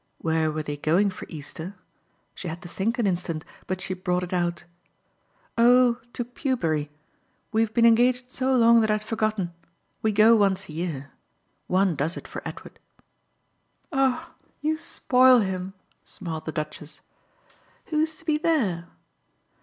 Where were they going for Easter? She had to think an instant, but she brought it out. "Oh to Pewbury we've been engaged so long that I had forgotten. We go once a year one does it for Edward." "Ah you spoil him!" smiled the Duchess. "Who's to be there?"